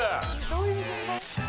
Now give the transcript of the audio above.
どういう順番？